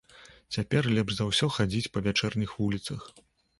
Цяпер лепш за ўсё хадзіць па вячэрніх вуліцах.